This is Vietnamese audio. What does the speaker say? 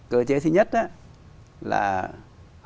cơ chế thứ nhất là họ kiểm soát đường nhập lậu